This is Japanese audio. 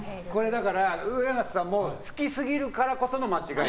だから、上松さんも好きすぎるからこその間違い。